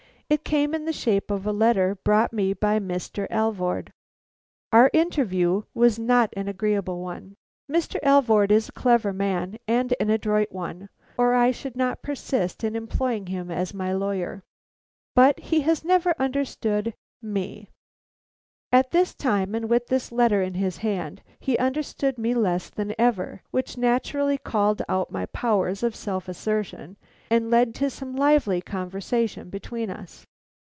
It came in the shape of a letter brought me by Mr. Alvord. Our interview was not an agreeable one. Mr. Alvord is a clever man and an adroit one, or I should not persist in employing him as my lawyer; but he never understood me. At this time, and with this letter in his hand, he understood me less than ever, which naturally called out my powers of self assertion and led to some lively conversation between us.